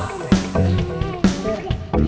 lipat satu lagi